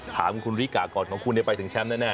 ถามคุณริกาก่อนของคุณไปถึงแชมป์แน่